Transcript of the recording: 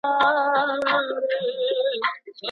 د حجرې دروازه نه تړل کېږي.